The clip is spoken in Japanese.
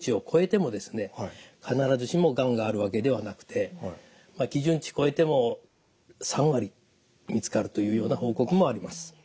必ずしもがんがあるわけではなくて基準値超えても３割見つかるというような報告もあります。